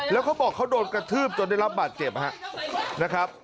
แล้วเขาบอกเขาโดนกระทืบจนได้รับบาดเจ็บนะครับ